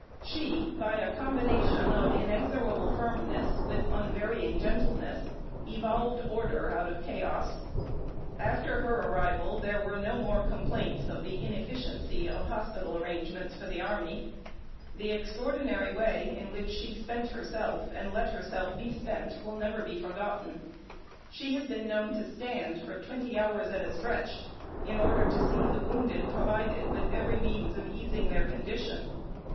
She, by a combination of inexorable firmness with unvarying gentleness, evolved order out of chaos. After her arrival, there were no more complaints of the inefficiency of the hospital arrangements for the army. The extraordinary way in which she spent herself and let herself be spent will never be forgotten. She has been known to stand for twenty hours at a stretch, in order to see the wounded provided with every means of easing their condition.